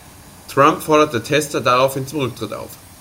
Trump forderte Tester daraufhin zum Rücktritt auf.